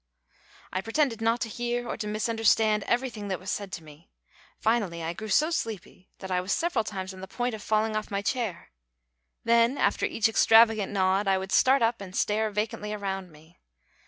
I pretended not to hear, or to misunderstand, everything that was said to me; finally I grew so sleepy that I was several times on the point of falling off my chair, then, after each extravagant nod, I would start up and stare vacantly around me.